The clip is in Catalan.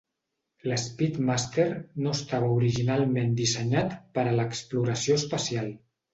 L'Speedmaster no estava originalment dissenyat per a l'exploració espacial.